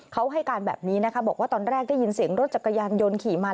เขาให้การแบบนี้นะคะบอกว่าตอนแรกได้ยินเสียงรถจักรยานยนต์ขี่มา